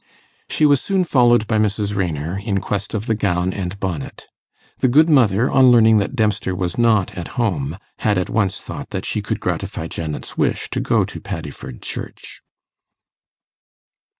She was soon followed by Mrs. Raynor in quest of the gown and bonnet. The good mother, on learning that Dempster was not at home, had at once thought that she could gratify Janet's wish to go to Paddiford Church.